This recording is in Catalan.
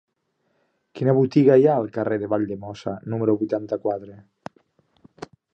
Quina botiga hi ha al carrer de Valldemossa número vuitanta-quatre?